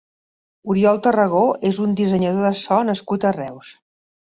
Oriol Tarragó és un dissenyador de so nascut a Reus.